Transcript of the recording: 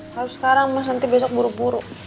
kalau sekarang mas nanti besok buru buru